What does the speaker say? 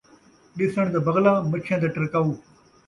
ݙسݨ دا بغلا ، مچھیاں دا ٹرکاؤ